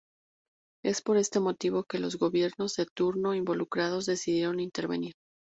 Es por este motivo que los gobiernos de turno involucrados decidieron intervenir.